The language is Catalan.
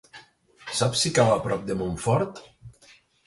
Saps si cau a prop de Montfort?